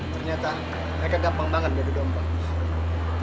ternyata mereka gampang banget jadi dompang